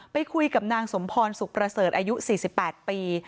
ไปคุยกับนางสมพรสุขประเสริฐอายุ๔๘ปี